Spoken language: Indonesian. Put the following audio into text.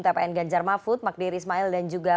tpn ganjar mahfud magdir ismail dan juga